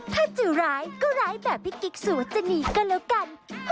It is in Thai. ถ้าจะร้ายก็ร้ายแบบพี่กิ๊กสุวจนีก็แล้วกัน